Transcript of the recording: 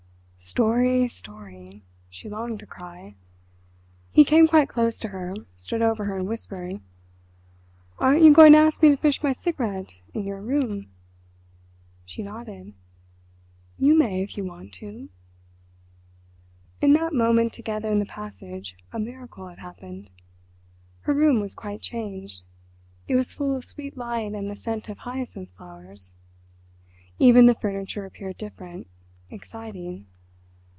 "Story—story!" she longed to cry. He came quite close to her, stood over her and whispered: "Aren't you going to ask me to finish my cigarette in your room?" She nodded. "You may if you want to!" In that moment together in the passage a miracle had happened. Her room was quite changed—it was full of sweet light and the scent of hyacinth flowers. Even the furniture appeared different—exciting.